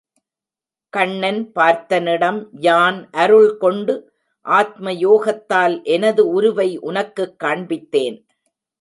கண்ணன் பார்த்தனிடம் யான் அருள் கொண்டு ஆத்மயோகத்தால் எனது உருவை உனக்குக் காண்பித்தேன்.